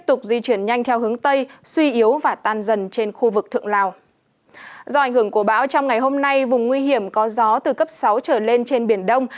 trong vùng của bão trong ngày hôm nay vùng nguy hiểm có gió từ cấp sáu trở lên trên biển đông